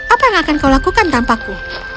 apa yang akan kau lakukan tanpaku